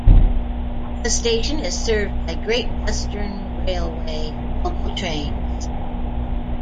The station is served by Great Western Railway - local trains.